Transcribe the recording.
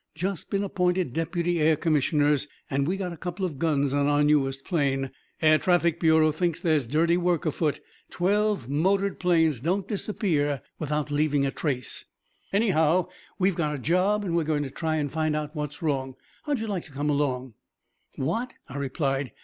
"Just been appointed deputy air commissioners; and we got a couple of guns on our newest plane. Air Traffic Bureau thinks there's dirty work afoot. Twelve motored planes don't disappear without leaving a trace. Anyhow, we've got a job, and we're going to try and find out what's wrong. How'd you like to come along?" "What?" I replied.